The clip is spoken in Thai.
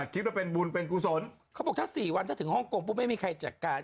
คิดว่าเป็นบุญเป็นกุศลเขาบอกถ้า๔วันถ้าถึงฮ่องกงปุ๊บไม่มีใครจัดการ